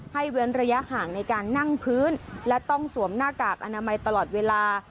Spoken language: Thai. เว้นระยะห่างในการนั่งพื้นและต้องสวมหน้ากากอนามัยตลอดเวลา